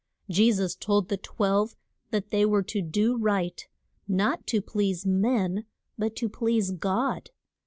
Je sus told the Twelve that they were to do right, not to please men but to please God.